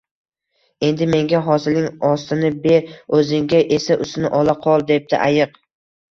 Endi menga hosilning ostini ber, o’zingga esa ustini ola qol, — debdi ayiq